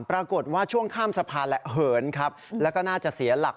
ปรากฏว่าช่วงข้ามสะพานแหละเหินครับแล้วก็น่าจะเสียหลัก